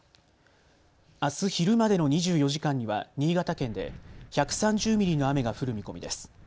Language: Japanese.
あす昼までの２４時間には新潟県で１３０ミリの雨が降る見込みです。